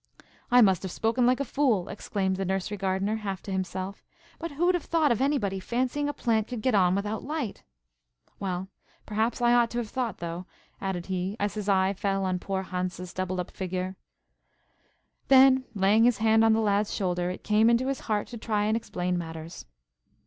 "I must have spoken like a fool," exclaimed the nursery gardener, half to himself. "But who'd have thought of anybody fancying a plant could get on without light? Well, perhaps I ought to have thought though," added he, as his eye fell on poor Hans' doubled up figure. Then, laying his hand on the lad's shoulder, it came into his heart to try and explain matters.